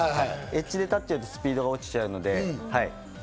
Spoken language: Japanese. エッジで立っちゃうと、スピードが落ちるので、はい。